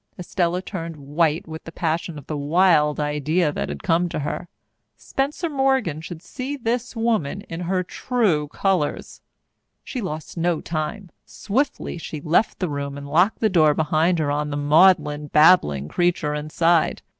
Estella turned white with the passion of the wild idea that had come to her. Spencer Morgan should see this woman in her true colours. She lost no time. Swiftly she left the room and locked the door behind her on the maudlin, babbling creature inside.